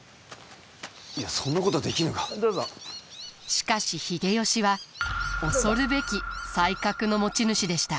しかし秀吉は恐るべき才覚の持ち主でした。